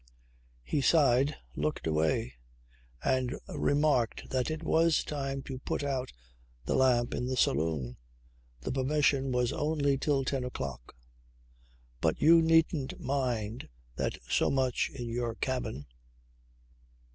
He sighed, looked away, and remarked that it was time to put out the lamp in the saloon. The permission was only till ten o'clock. "But you needn't mind that so much in your cabin.